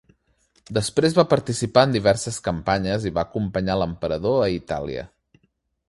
Després va participar en diverses campanyes i va acompanyar l'emperador a Itàlia.